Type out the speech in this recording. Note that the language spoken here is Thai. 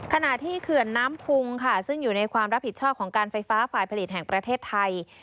ขณะที่เขื่อนน้ำพุงค่ะซึ่งอยู่ในความรับผิดชอบของการไฟฟ้าฝ่ายผลิตแห่งประเทศไทย